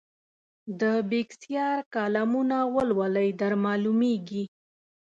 د بېکسیار کالمونه ولولئ درمعلومېږي.